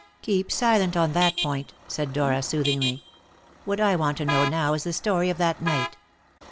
"Keep silent on that point," said Dora soothingly. "What I want to know now is the story of that night.